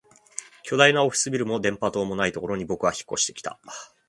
巨大なオフィスビルも電波塔もないところに僕は引っ越してきた